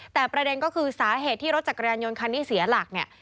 แต่ประเด็นก็คือสาเหตุที่รถจักรยานยนต์คันที่เสียหลักเนี่ย